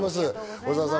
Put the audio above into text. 小澤さん